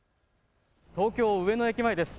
東京上野駅前です。